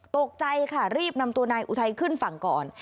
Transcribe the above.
ตกใจค่ะรีบนำตัวนายอุทัยขึ้นฝั่งก่อน